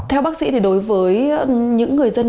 theo bác sĩ thì đối với những người dân